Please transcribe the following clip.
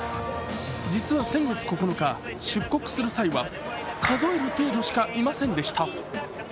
実は先月９日、出国する際は数える程度しかいませんでした。